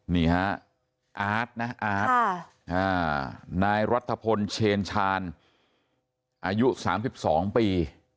นี่ฮะอาร์ตนะอาร์ตนายรัฐพลเชนชาญอายุ๓๒ปี